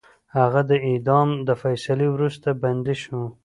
هغه د اعدام د فیصلې وروسته بندي شو.